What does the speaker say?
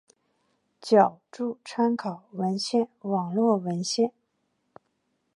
脚注参考文献网络文献